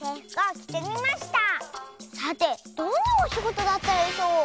さてどんなおしごとだったでしょう？